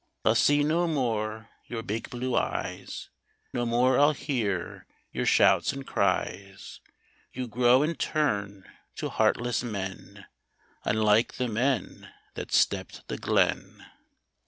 I'll see no more your big blue eyes, No more I'll hear your shouts and cries ; You grow and turn to heartless men, Unlike the men that stepped the glen.